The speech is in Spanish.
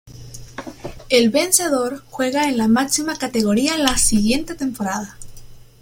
El vencedor juega en la máxima categoría la siguiente temporada.